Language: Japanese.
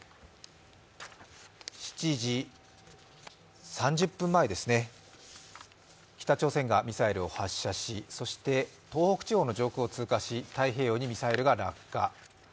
７時３０分前ですね、北朝鮮がミサイルを発射しそして東北地方の上空を通過し、太平洋にミサイルが落下。